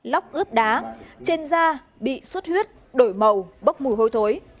lóc ướp đá trên da bị suất huyết đổi màu bốc mùi hôi thối